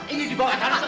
ini dibawa ke sana